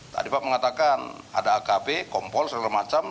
tadi pak mengatakan ada akb kompol segala macam